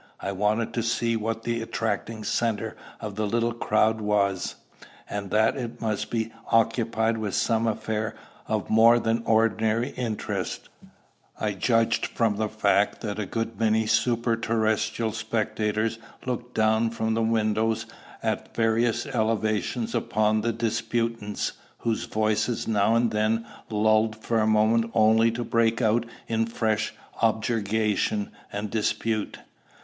I wanted to see what the attracting centre of the little crowd was; and that it must be occupied with some affair of more than ordinary interest, I judged from the fact that a good many superterrestrial spectators looked down from the windows at various elevations upon the disputants, whose voices now and then lulled for a moment only to break out in fresh objurgation and dispute.